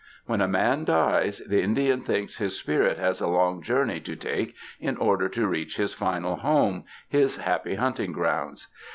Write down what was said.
When a man dies, the Indian thinks his spirit has a long journey to take in order to reach his final homo — his happy hunting grounds.